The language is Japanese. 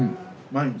毎日。